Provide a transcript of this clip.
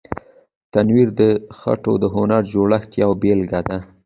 تنور د خټو د هنري جوړښت یوه بېلګه ده